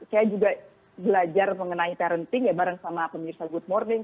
saya juga belajar mengenai parenting ya bareng sama pemirsa good morning